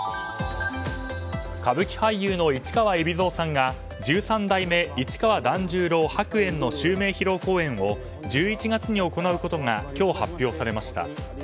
歌舞伎俳優の市川海老蔵さんが十三代目市川團十郎白猿の襲名披露公演を１１月に行うことが今日、発表されました。